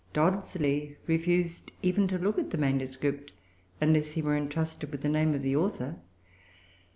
Dodsley refused even to look at the manuscript unless he were entrusted with the name of the author.